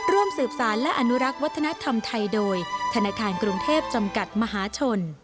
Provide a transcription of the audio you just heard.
ร่วมสืบสารและอนุรักษ์วัฒนธรรมไทยโดยธนาคารกรุงเทพจำกัดมหาชน